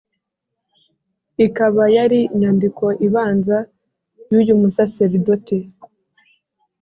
Ikaba yari inyandiko ibanza y’uyu musaseridoti